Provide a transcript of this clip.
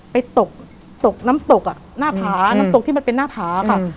ไปตกตกน้ำตกอ่ะหน้าผาน้ำตกที่มันเป็นหน้าผาค่ะ